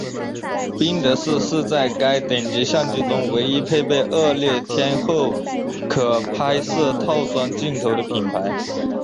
宾得士是在该等级相机中唯一配备恶劣天候可拍摄套装镜头的品牌。